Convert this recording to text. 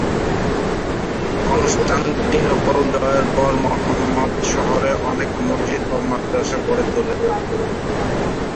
Constantinople জয়ের পর মুহাম্মদ শহরে অনেক মসজিদ ও মাদ্রাসা গড়ে তোলেন।